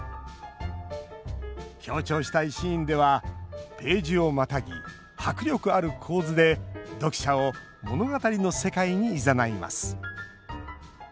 強調したいシーンではページをまたぎ、迫力ある構図で読者を物語の世界にいざないます。